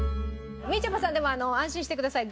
みちょぱさんでも安心してください。